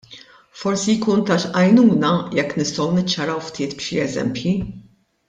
Forsi jkun ta' għajnuna jekk nistgħu niċċaraw ftit b'xi eżempji.